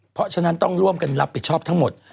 เพราะฉะนั้นต้องร่วมกันรับผิดชอบทั้งหมด